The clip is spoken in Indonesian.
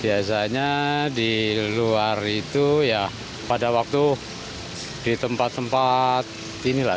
biasanya di luar itu ya pada waktu di tempat tempat inilah